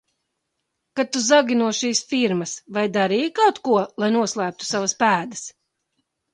Kad tu zagi no šīs firmas, vai darīji kaut ko, lai noslēptu savas pēdas?